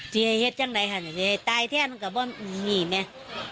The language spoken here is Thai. เจ๋ยเฮ็ดจังไงค่ะเจ๋ยเฮ็ดตายเท่านั้นก็บอกไม่มีแม่